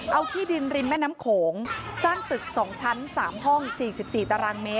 เอาที่ดินริมแม่น้ำโขงสร้างตึก๒ชั้น๓ห้อง๔๔ตารางเมตร